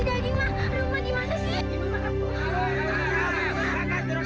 aduh mak jangan juragan benny